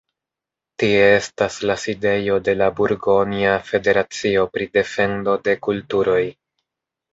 Tie estas la sidejo de la burgonja federacio pri defendo de kulturoj.